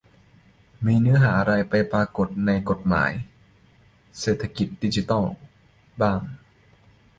มีเนื้อหาอะไรไปปรากฏในกฎหมาย "เศรษฐกิจดิจิทัล" บ้าง ?